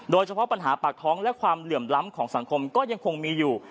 โดยเฉพาะปัญหาปากท้องและความเหลื่อมล้ำของสังคมก็ยังคงมีอยู่